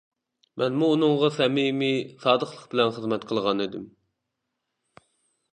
مەنمۇ ئۇنىڭغا سەمىمىي، سادىقلىق بىلەن خىزمەت قىلغانىدىم.